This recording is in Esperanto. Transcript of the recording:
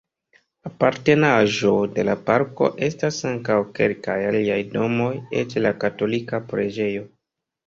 Apartenaĵo de la parko estas ankaŭ kelkaj aliaj domoj eĉ la katolika preĝejo.